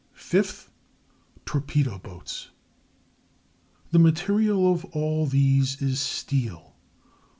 Fifth, torpedo boats. The material of all these is steel.